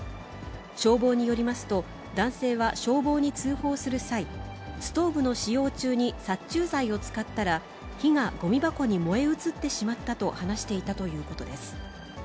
消防によりますと、男性は消防に通報する際、ストーブの使用中に殺虫剤を使ったら、火がごみ箱に燃え移ってしまったと話していたということです。